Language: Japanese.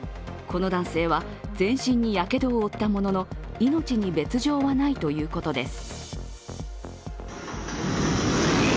この男性は全身にやけどを負ったものの、命に別状はないということです。